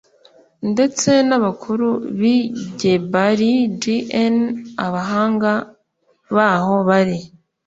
Ndetse n abakuru b i Gebali j n abahanga baho bari